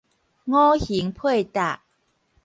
五形配搭